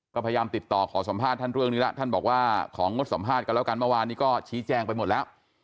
ก็พยายามติดต่อขอสัมภาษณ์ท่านเรื่องนี้แล้วท่านบอกว่าของงดสัมภาษณ์กันแล้วกันเมื่อวานนี้ก็ชี้แจงไปหมดแล้ว